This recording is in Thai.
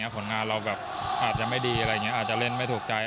ผลงานเราอาจจะไม่ดีอาจจะเล่นไม่ถูกใจ